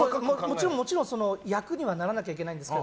もちろん役にはならないといけないんですけど